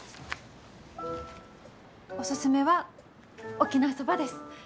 おすすめは沖縄そばです。